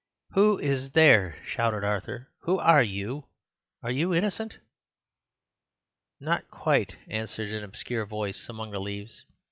"Who is there?" shouted Arthur. "Who are you? Are you Innocent?" "Not quite," answered an obscure voice among the leaves.